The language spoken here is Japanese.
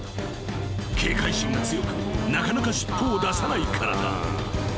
［警戒心が強くなかなか尻尾を出さないからだ］